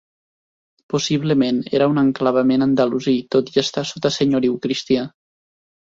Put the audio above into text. Possiblement era un enclavament andalusí, tot i estar sota senyoriu cristià.